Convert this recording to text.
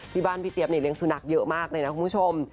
ที่บ้านพี่เจี๊ยบเนี่ยเลี้ยสุนัขเยอะมากเลยนะคุณผู้ชม